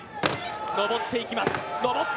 上っていきます。